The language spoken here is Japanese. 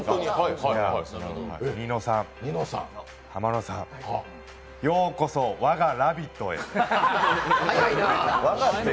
ニノさん、浜野さん、ようこそ我が「ラヴィット！」へ。